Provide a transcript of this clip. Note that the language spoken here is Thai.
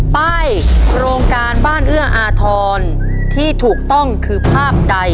ป้ายโครงการบ้านเอื้ออาทรที่ถูกต้องคือภาพใด